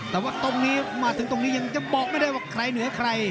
แต่ว่าตรงนี้มาถึงตรงนี้ยังจะบอกไม่ได้ว่าใครเหนือใคร